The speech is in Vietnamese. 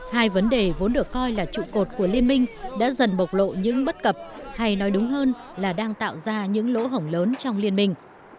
hai vấn đề vốn được coi là trụ cột của liên minh đã dần bộc lộ những bất cập hay nói đúng hơn là đang tạo ra những lỗ hổng lớn trong liên minh